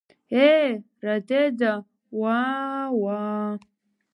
Ее, раидара, уаа, уаа!